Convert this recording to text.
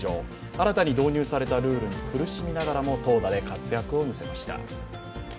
新たに導入されたルールに苦しみながら投打で活躍を見せました。